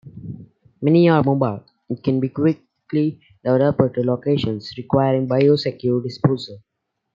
Many are mobile and can be quickly deployed to locations requiring biosecure disposal.